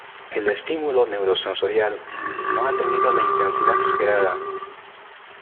El estímulo neurosensorial no ha tenido la intensidad esperada.